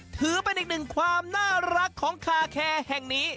ถือเป็นอีกหนึ่งความน่ารักของคาแคร์แห่งนี้